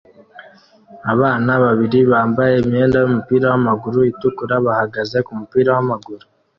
Abana babiri bambaye imyenda yumupira wamaguru itukura bahagaze kumupira wamaguru